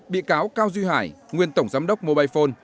bị cáo cao duy hải nguyên tổng giám đốc mobile phone